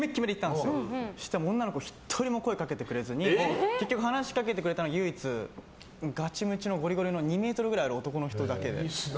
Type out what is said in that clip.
女の子、１人も声掛けてくれずに結局、話しかけてくれたのは唯一ガチムチのゴリゴリの２ｍくらいある男の人だけで。